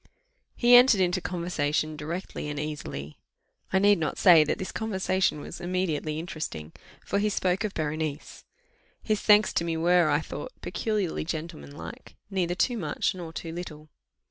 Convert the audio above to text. He entered into conversation directly and easily. I need not say that this conversation was immediately interesting, for he spoke of Berenice. His thanks to me were, I thought, peculiarly gentlemanlike, neither too much nor too little.